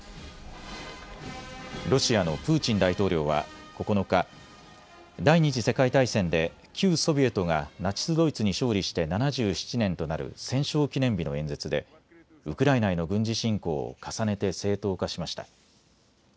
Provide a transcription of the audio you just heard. ロシアのプーチン大統領は９日、第２次世界大戦で旧ソビエトがナチス・ドイツに勝利して７７年となる戦勝記念日の演説でウクライナへの軍事侵攻を重ねて正当化しました。